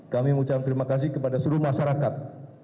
kami mengucapkan terima kasih kepada seluruh masyarakat